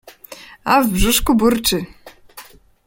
A w brzuszku burczy!